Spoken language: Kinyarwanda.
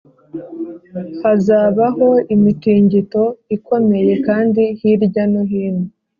hazabaho imitingito ikomeye kandi hirya no hino